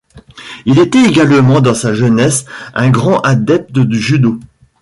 Il était également dans sa jeunesse un grand adepte du judo.